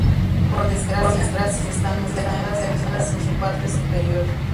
Por desgracia, ambas están muy dañadas en su parte superior.